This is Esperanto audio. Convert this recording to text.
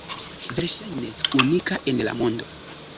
Verŝajne unika en la mondo!